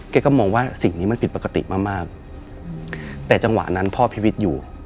ก็มองว่าสิ่งนี้มันผิดปกติมากมากแต่จังหวะนั้นพ่อพิวิทย์อยู่